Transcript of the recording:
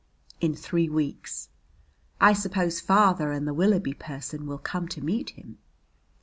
"In three weeks." "I suppose father and the Willoughby person will come to meet him?"